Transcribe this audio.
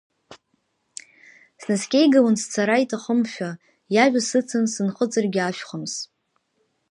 Снаскьеигалон сцара иҭахымшәа, иажәа сыцын сынхыҵыргьы ашәхымс.